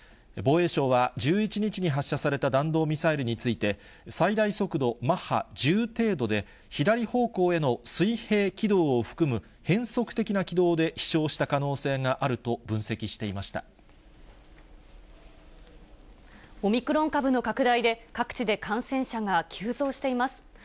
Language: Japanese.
防衛省は１１日に発射された弾道ミサイルについて、最大速度マッハ１０程度で、左方向への水平軌道を含む変則的な軌道で飛しょうした可能性があオミクロン株の拡大で、各地で感染者が急増しています。